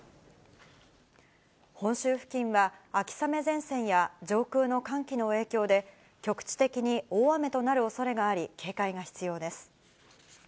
本州付近は、秋雨前線や上空の寒気の影響で局地的に大雨となるおそれがあり、警戒が必要です。